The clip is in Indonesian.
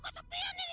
bagitin saja kamu kera